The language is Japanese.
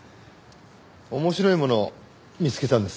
面白いものを見つけたんです。